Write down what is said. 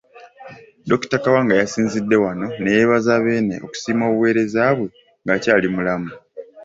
Dokita Kawanga yasinzidde wano neyeebaza Beene okusiima obuweereza bwe ng'akyali mulamu.